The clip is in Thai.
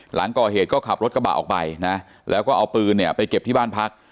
หลังก่อเหตุก็ขับรถกระบะออกไปนะแล้วก็เอาปืนเนี่ยไปเก็บที่บ้านพัก